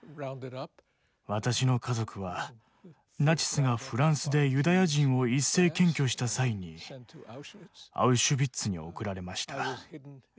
私の家族はナチスがフランスでユダヤ人を一斉検挙した際にアウシュビッツに送られました。